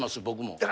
僕も。